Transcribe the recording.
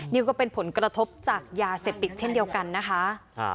นี่ก็เป็นผลกระทบจากยาเสพติดเช่นเดียวกันนะคะ